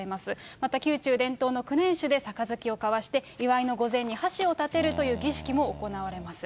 また宮中伝統の九年酒で杯を交わして、祝いの御膳に箸を立てるという儀式も行われます。